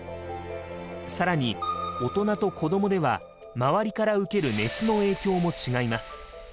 更に大人と子どもでは周りから受ける熱の影響も違います。